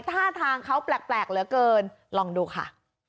ท่าทางเขาแปลกเหลือเกินลองดูค่ะ